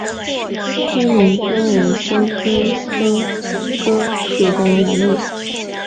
灰林鸽为鸠鸽科鸽属的鸟类。